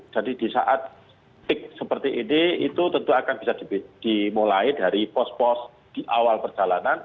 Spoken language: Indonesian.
jadi di saat tik seperti ini itu tentu akan bisa dimulai dari pos pos di awal perjalanan